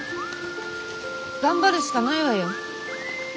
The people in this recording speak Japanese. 頑張るしかないわよ。